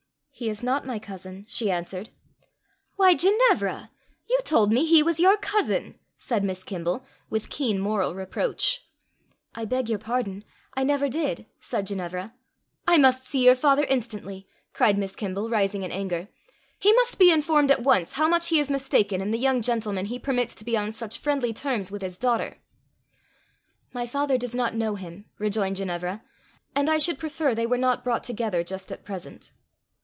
"He is not my cousin," she answered. "Why, Ginevra! you told me he was your cousin," said Miss Kimble, with keen moral reproach. "I beg your pardon; I never did," said Ginevra. "I must see your father instantly," cried Miss Kimble, rising in anger. "He must be informed at once how much he is mistaken in the young gentleman he permits to be on such friendly terms with his daughter." "My father does not know him," rejoined Ginevra; "and I should prefer they were not brought together just at present."